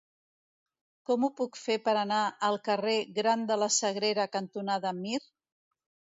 Com ho puc fer per anar al carrer Gran de la Sagrera cantonada Mir?